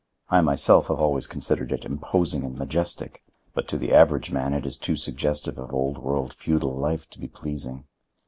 I myself have always considered it imposing and majestic; but to the average man it is too suggestive of Old World feudal life to be pleasing.